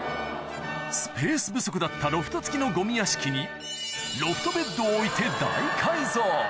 スペース不足だったロフト付きのゴミ屋敷にロフトベッドを置いて大改造